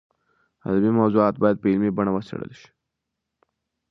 ادبي موضوعات باید په علمي بڼه وڅېړل شي.